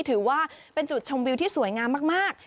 ถือว่าเป็นจุดชมวิวที่สวยงามมาก